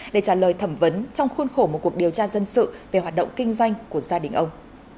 để trả lời thẩm vấn trong khuôn khổ một cuộc điều tra dân sự về hoạt động kinh doanh của gia đình ông